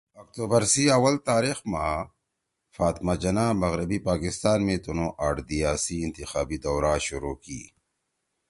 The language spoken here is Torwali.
اکتوبر سی اوّل تاریخ ما فاطمہ جناح مغربی پاکستان می تنُو آٹھ دیِا سی انتخابی دورا شروع کی